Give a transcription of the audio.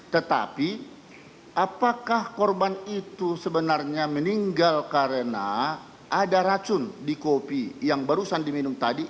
tetapi apakah korban itu sebenarnya meninggal karena ada racun di kopi yang barusan diminum tadi